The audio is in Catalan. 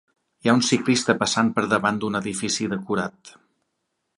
Hi ha un ciclista passant per davant d'un edifici decorat.